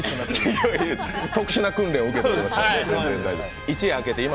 特殊な訓練を受けておりますから。